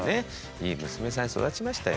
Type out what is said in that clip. いい娘さんに育ちましたよ。